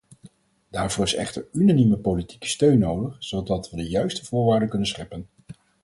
Daarvoor is echter unanieme politieke steun nodig, zodat we de juiste voorwaarden kunnen scheppen.